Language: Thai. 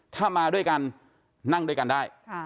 ถ้ามาด้วยกันนั่งด้วยกันได้